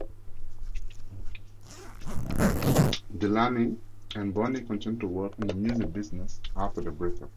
Delaney and Bonnie continued to work in the music business after their breakup.